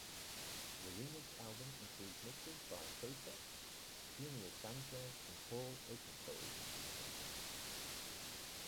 The remix album includes mixes by Photek, Junior Sanchez and Paul Oakenfold, among others.